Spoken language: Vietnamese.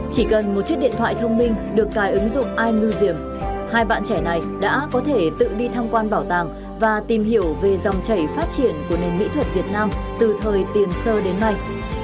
chỉ cần một chiếc điện thoại thông minh được cài ứng dụng imusim hai bạn trẻ này đã có thể tự đi tham quan bảo tàng và tìm hiểu về dòng chảy phát triển của nền mỹ thuật việt nam từ thời tiền sơ đến nay